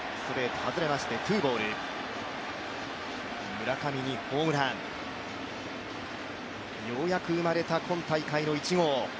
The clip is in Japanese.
村上にホームラン、ようやく生まれた今大会の１号。